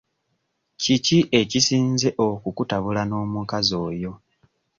Kiki ekisinze okukutabula n'omukazi oyo?